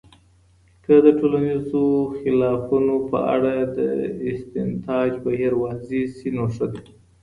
که د ټولنیزو خلافونو په اړه د استنتاج بهیر واضحه سي، نو ښه دی.